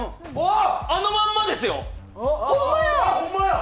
あのまんまですよ。